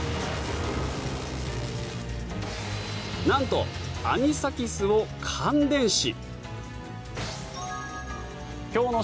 なんと、アニサキスを感電死。